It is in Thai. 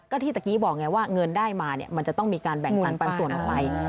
ก็ที่ตะกี้บอกไงว่าเงินได้มาเนี่ยมันจะต้องมีการแบ่งสรรปันส่วนออกไป